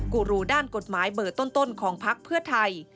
กูรูด้านกฎหมายเบอร์ต้นของพักเพื่อไทย